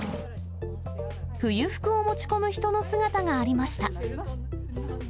冬服を持ち込む人の姿がありました。